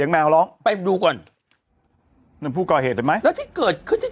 แมวไปดูก่อนนั่นผู้ก่อเหตุเห็นมั้ย